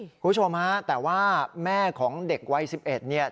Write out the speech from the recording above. คุณผู้ชมฮะแต่ว่าแม่ของเด็กวัย๑๑เนี่ย